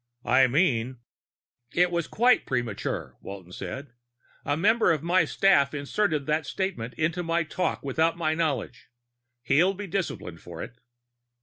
I mean " "It was quite premature," Walton said. "A member of my staff inserted that statement into my talk without my knowledge. He'll be disciplined for it."